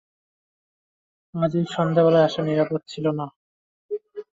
আজ এই সন্ধ্যাবেলায় আসা নিরাপদ ছিল না।